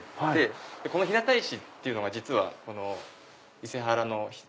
この日向石っていうのが実は伊勢原の。